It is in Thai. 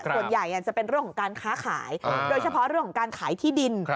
ส่วนใหญ่จะเป็นเรื่องของการค้าขายโดยเฉพาะเรื่องของการขายที่ดิน